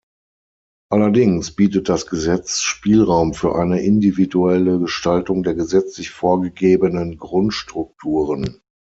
Allerdings bietet das Gesetz Spielraum für eine individuelle Gestaltung der gesetzlich vorgegebenen Grundstrukturen.